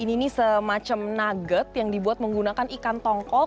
ini semacam nugget yang dibuat menggunakan ikan tongkol